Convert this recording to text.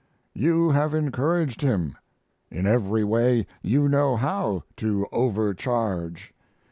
You have encouraged him, in every way you know how to overcharge.